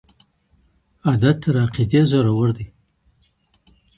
عادت تر عقیدې زورور دی.